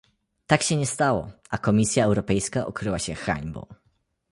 Tak się nie stało, a Komisja Europejska okryła się hańbą